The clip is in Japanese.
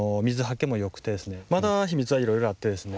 まだひみつはいろいろあってですね